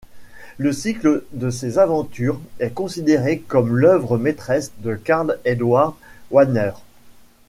Le cycle de ses aventures est considéré comme l'œuvre maîtresse de Karl Edward Wagner.